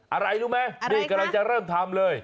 อะไรรู้ไหมนี่กำลังจะเริ่มทำเลย